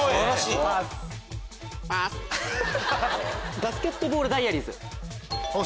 『バスケットボール・ダイアリーズ』。